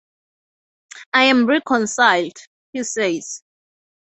"I am reconciled," he says.